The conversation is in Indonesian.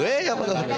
hei apa kabar